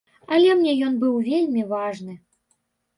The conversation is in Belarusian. Але мне ён быў вельмі важны.